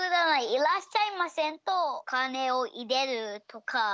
いらっしゃいませとおかねをいれるとか。